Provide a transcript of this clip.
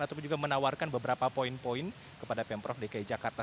ataupun juga menawarkan beberapa poin poin kepada pemprov dki jakarta